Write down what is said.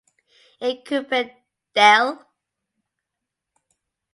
Incumbent Del.